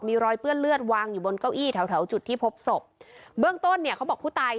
มีรอยเปื้อนเลือดวางอยู่บนเก้าอี้แถวแถวจุดที่พบศพเบื้องต้นเนี่ยเขาบอกผู้ตาย